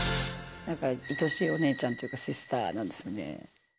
何か愛しいお姉ちゃんっていうかシスターなんですよね